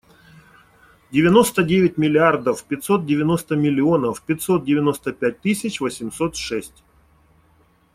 Девяносто девять миллиардов пятьсот девяносто миллионов пятьсот девяносто пять тысяч восемьсот шесть.